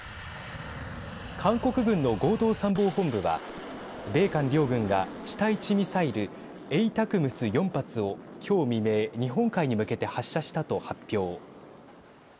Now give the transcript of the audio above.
韓国軍の合同参謀本部は米韓両軍が地対地ミサイルＡＴＡＣＭＳ、４発を今日未明日本海に向けて発射したと発表。